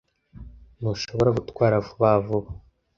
Ntushobora gutwara vuba vuba?